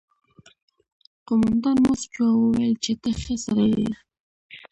قومندان موسک شو او وویل چې ته ښه سړی یې